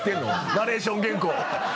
ナレーション原稿。